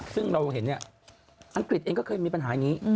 ซึ่งเราเห็นเนี่ยอังกฤษเองก็เคยมีปัญหาอย่างนี้